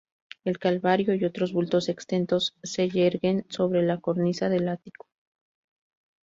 El Calvario y otros bultos exentos se yerguen sobre la cornisa del ático.